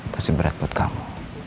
pasti berat buat kamu